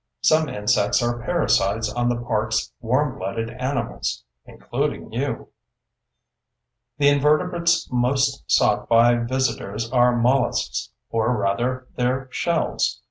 Some insects are parasites on the park's warmblooded animals (including you). The invertebrates most sought by visitors are molluscs—or rather, their shells.